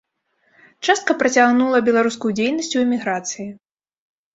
Частка працягнула беларускую дзейнасць у эміграцыі.